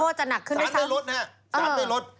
โทษจะหนักขึ้นได้ครับสารไม่ลดนะครับสารไม่ลด